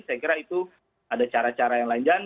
saya kira itu ada cara cara yang lain